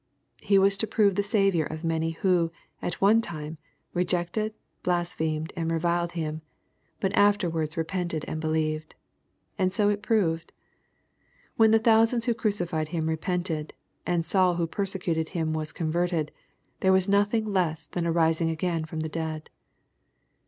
He was to prove the Saviour of many who, at one time, rejected, blasphemed, and reviled Him, but afterwards repented and believed. And so it proved. When the thousands who crucified Him repented, and Saul who persecuted Him was converted, there was nothing less than a rising again from the dead.